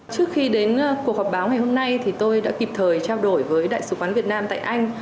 trước khi đến cuộc họp báo ngày hôm nay thì tôi đã kịp thời trao đổi với đại sứ quán việt nam tại anh